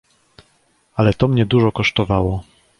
— Ale to mnie dużo kosztowało.